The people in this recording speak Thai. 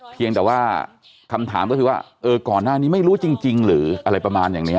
เพียงแต่ว่าคำถามก็คือว่าเออก่อนหน้านี้ไม่รู้จริงหรืออะไรประมาณอย่างนี้